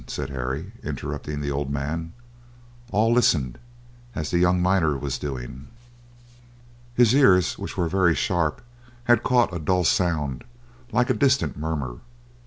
said Harry, interrupting the old man. All listened, as the young miner was doing. His ears, which were very sharp, had caught a dull sound, like a distant murmur.